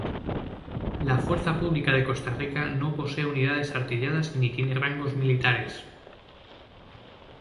La Fuerza Pública de Costa Rica no posee unidades artilladas ni tiene rangos militares.